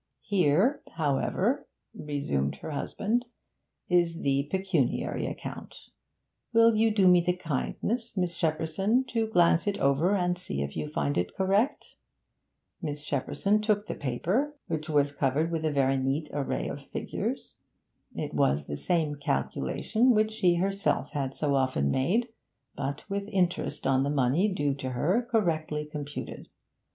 'Here, however,' resumed her husband, 'is the pecuniary account. Will you do me the kindness, Miss Shepperson, to glance it over and see if you find it correct?' Miss Shepperson took the paper, which was covered with a very neat array of figures. It was the same calculation which she herself had so often made, but with interest on the money due to her correctly computed.